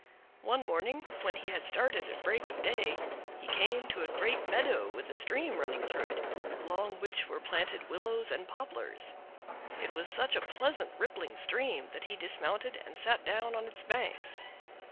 One morning, when he had started at break of day, he came to a great meadow with a stream running through it, along which were planted willows and poplars. It was such a pleasant, rippling stream that he dismounted and sat down on its banks.